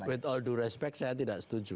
with all due respect saya tidak setuju